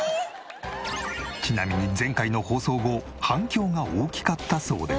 ちなみに前回の放送後反響が大きかったそうで。